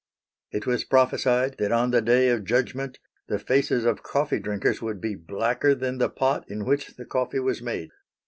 It was prophesied that on the day of judgment the faces of coffee drinkers would be blacker than the pot in which the coffee was made.